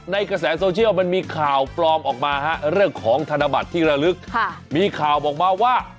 กระแสโซเชียลมันมีข่าวปลอมออกมาเรื่องของธนบัตรที่ระลึกมีข่าวออกมาว่า